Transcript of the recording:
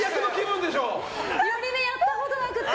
寄り目やったことなくて。